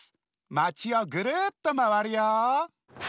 まちをぐるっとまわるよ。